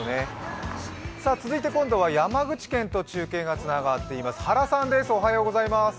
続いて今度は山口県と中継がつながっています。